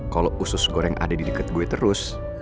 kalau usus goreng ada di dekat gue terus